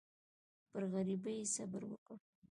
پر غریبۍ یې صبر وکړ.